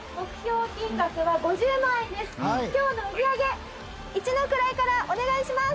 今日の売り上げ一の位からお願いします！